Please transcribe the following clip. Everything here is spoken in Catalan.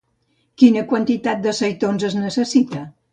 Quina quantitat de seitons es necessita?